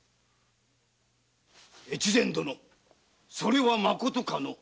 大岡殿それはまことか？